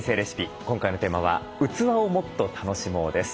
今回のテーマは「器をもっと楽しもう」です。